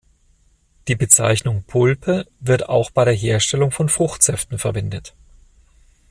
Die Bezeichnung "Pulpe" wird auch bei der Herstellung von Fruchtsäften verwendet.